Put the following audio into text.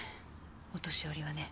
お年寄りはね